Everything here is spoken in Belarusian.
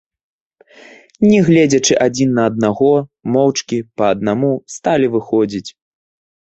Не гледзячы адзін на аднаго, моўчкі, па аднаму, сталі выходзіць.